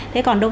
thế còn đâu